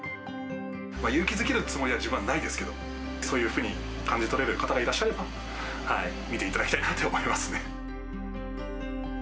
勇気づけるつもりは自分はないですけど、そういうふうに感じ取れる方がいらっしゃれば、見ていただきたいなって思いますね。